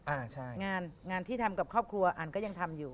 อ่าใช่งานงานที่ทำกับครอบครัวอันก็ยังทำอยู่